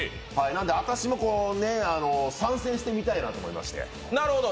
あたしも参戦してみたいなと思いまして。